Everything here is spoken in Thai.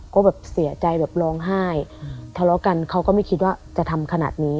ก็แบบเสียใจแบบร้องไห้ทะเลาะกันเขาก็ไม่คิดว่าจะทำขนาดนี้